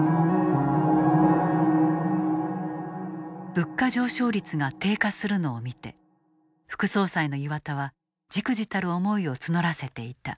物価上昇率が低下するのを見て副総裁の岩田は忸怩たる思いを募らせていた。